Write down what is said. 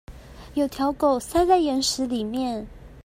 有條狗塞在岩石裡面